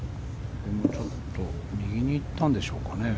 ちょっと右に行ったんでしょうかね。